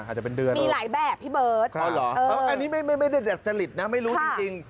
อ๋ออันนี้ไม่ได้แดกจริตนะไม่รู้จริง